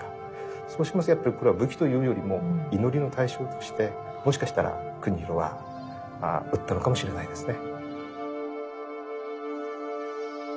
そうしますとこれは武器というよりも祈りの対象としてもしかしたら国広は打ったのかもしれないですね。